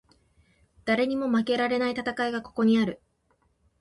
誰にも負けられない戦いがここにある